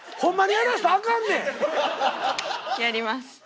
やります。